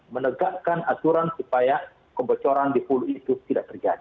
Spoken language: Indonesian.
menegakkan aturan supaya kebocoran di hulu itu tidak terjadi